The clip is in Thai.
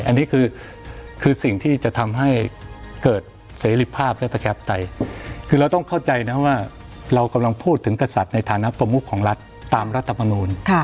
อันนี้คือสิ่งที่จะทำให้เกิดเสรีภาพและประชาปไตยคือเราต้องเข้าใจนะว่าเรากำลังพูดถึงกษัตริย์ในฐานะประมุขของรัฐตามรัฐมนูล